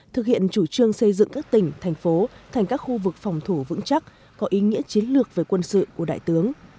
thực hiện chủ trương xây dựng các tỉnh thành phố thành các khu vực phòng thủ vững chắc có ý nghĩa chiến lược về quân sự của đại tướng